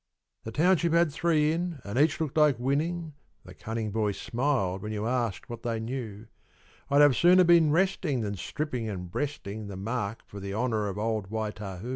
The township had three in, and each looked like winning. The cunning boys smiled when you asked what they knew; I'd have sooner been resting than stripping and breasting The mark for the honour of old Waitahu.